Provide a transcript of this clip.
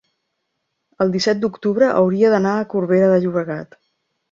el disset d'octubre hauria d'anar a Corbera de Llobregat.